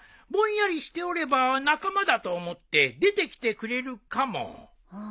ぼんやりしておれば仲間だと思って出てきてくれるかも。